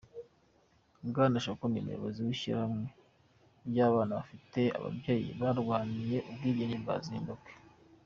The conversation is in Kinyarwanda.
Bwana Shoko ni umuyobozi w'ishyirahamwe ry'abana bafite ababyeyi barwaniye ubwigenge bwa Zimbabwe.